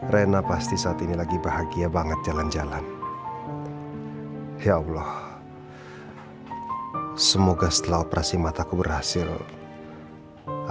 rina pasti satu lagi bahagia banget jalan jalan ya allah semoga setelah operasi mataku berhasil aku bisa bekerja undang contohnya